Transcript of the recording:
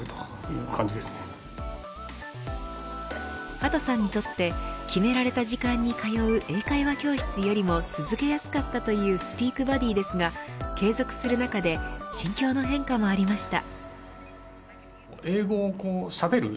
畑さんにとって決められた時間に通う英会話教室よりも続けやすかったというスピークバディですが継続する中で心境の変化もありました。